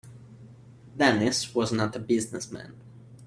Dennis was not a business man.